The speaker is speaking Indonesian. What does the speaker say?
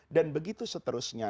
dan begitu seterusnya